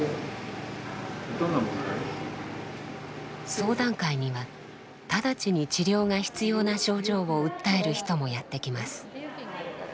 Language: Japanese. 相談会には直ちに治療が必要な症状を訴える人もやって来ます。